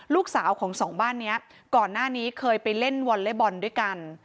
ลูกสาวของสองบ้านนี้ก่อนหน้านี้เคยไปเล่นวอลเล่บอลด้วยกัน